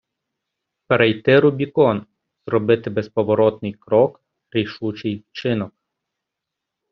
Перейти Рубікон зробити безповоротний крок, рішучий вчинок.